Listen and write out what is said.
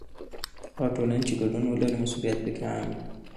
هغه ټولنه چې ګډون ولري، مسؤلیت پکې عام وي.